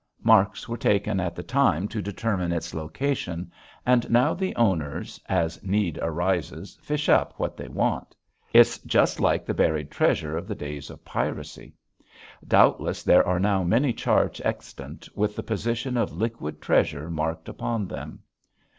Marks were taken at the time to determine its location and now the owners as need arises fish up what they want. It's just like the buried treasure of the days of piracy. Doubtless there are now many charts extant with the position of liquid treasure marked upon them.